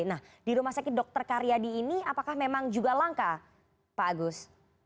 nah di rumah sakit dr karyadi ini apakah memang juga langka pak agus